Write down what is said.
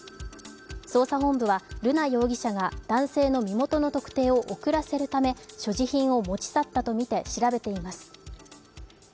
捜査本部は瑠奈容疑者が男性の身元の特定を遅らせるため所持品を持ち去ったとみて調べています。